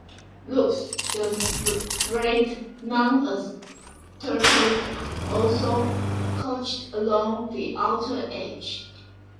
Loops of thread known as 'twirls' are also couched along the outer edge.